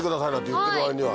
言ってる割には。